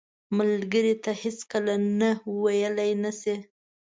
ملګری ته هیڅکله نه ویلې نه شي